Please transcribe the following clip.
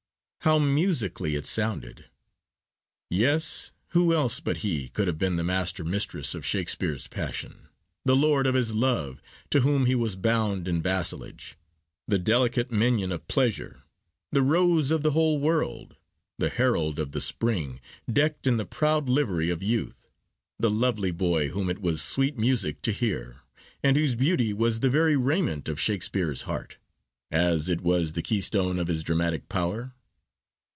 How musically it sounded! Yes; who else but he could have been the master mistress of Shakespeare's passion, the lord of his love to whom he was bound in vassalage, the delicate minion of pleasure, the rose of the whole world, the herald of the spring decked in the proud livery of youth, the lovely boy whom it was sweet music to hear, and whose beauty was the very raiment of Shakespeare's heart, as it was the keystone of his dramatic power?